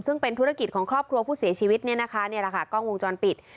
ซึ่งเป็นธุรกิจของครอบครัวผู้เสียชีวิตนี่แหละกล้องวงจรปิด